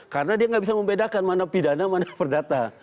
karena dia nggak bisa membedakan mana pidana mana perdata